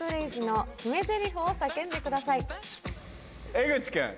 江口君。